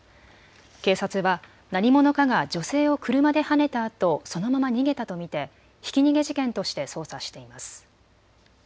警察は何者かが女性を車ではねたあと、そのまま逃げたと見てひき逃げ事件として捜査しています。